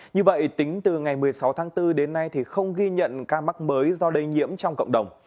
như vậy tính từ ngày một mươi sáu tháng bốn đến nay thì không ghi nhận ca mắc mới do lây nhiễm trong cộng đồng